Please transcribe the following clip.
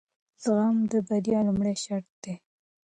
زغم د بریا لومړی شرط دی.